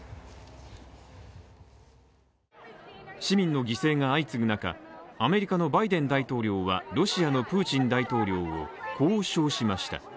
市民の犠牲が相次ぐ中、アメリカのバイデン大統領はロシアのプーチン大統領をこう、称しました。